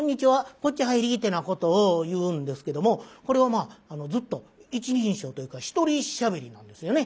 「こっち入り」ってなことを言うんですけどもこれはまあずっと１人称というか１人しゃべりなんですよね。